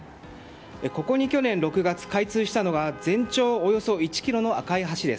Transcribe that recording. ここに去年６月、開通したのが全長およそ１ｋｍの赤い橋です。